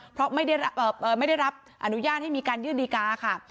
เพราะไม่ได้รับไม่ได้รับอนุญาตให้มีการยืนดีการ์ค่ะ